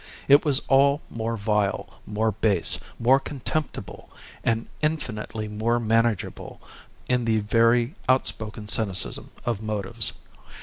It was all more vile, more base, more contemptible, and infinitely more manageable in the very outspoken cynicism of motives.